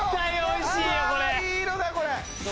いい色だこれ。